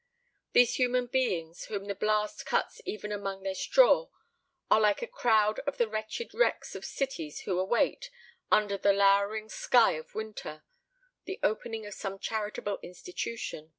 These human beings whom the blast cuts even among their straw are like a crowd of the wretched wrecks of cities who await, under the lowering sky of winter, the opening of some charitable institution.